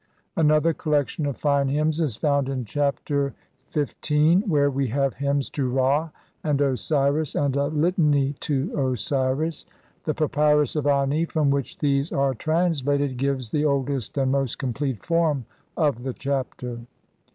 Another collection of fine hymns is found in Chapter XV, where we have hymns to Ra and Osiris, and a Litany to Osiris ; the Papyrus of Ani, from which these are translated, gives the oldest and most complete form of the Chapter.